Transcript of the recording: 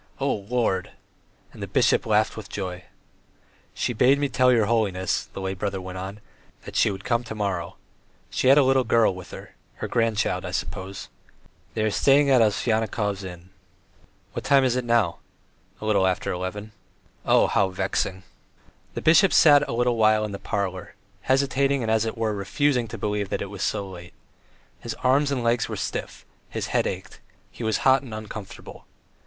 Oh, Lord!" And the bishop laughed with joy. "She bade me tell your holiness," the lay brother went on, "that she would come to morrow. She had a little girl with her her grandchild, I suppose. They are staying at Ovsyannikov's inn." "What time is it now?" "A little after eleven." "Oh, how vexing!" The bishop sat for a little while in the parlour, hesitating, and as it were refusing to believe it was so late. His arms and legs were stiff, his head ached. He was hot and uncomfortable.